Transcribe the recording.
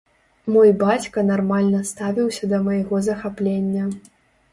Мой бацька нармальна ставіўся да майго захаплення.